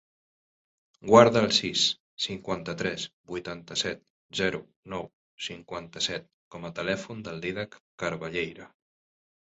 Guarda el sis, cinquanta-tres, vuitanta-set, zero, nou, cinquanta-set com a telèfon del Dídac Carballeira.